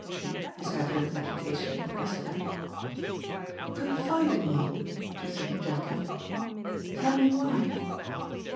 His evident agitation impressed her. " Confide in me," she said gently. " Tell me why."